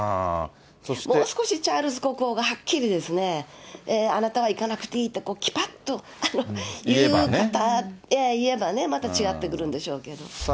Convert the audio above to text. もう少しチャールズ国王がはっきりですね、あなたは行かなくていいと、きぱっと言えばね、また違ってくるんでしょうけど。